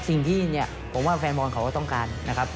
สิ่งที่เนี่ยผมว่าแฟนบอลเขาก็ต้องการนะครับ